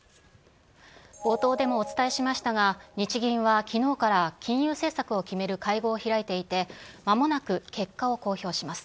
冒頭でもお伝えしましたが、日銀はきのうから金融政策を決める会合を開いていて、まもなく結果を公表します。